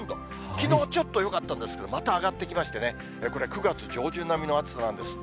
きのうちょっとよかったんですけど、また上がってきましてね、これ、９月上旬並みの暑さなんです。